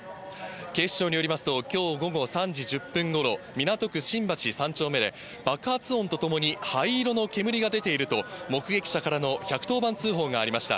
警視庁によりますと、きょう午後３時１０分ごろ、港区新橋３丁目で、爆発音とともに灰色の煙が出ていると、目撃者からの１１０番通報がありました。